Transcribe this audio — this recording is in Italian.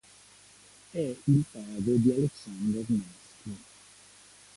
È il padre di Aleksandr Nevskij.